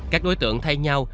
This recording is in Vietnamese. các đối tượng thay nhau